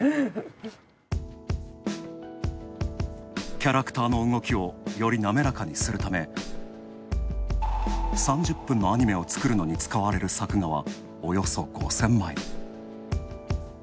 キャラクターの動きをより滑らかにするため３０分のアニメを作るのに使われる作画はおよそ５０００枚。